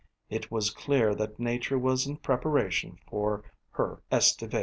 It was clear that nature was in preparation for her estivation.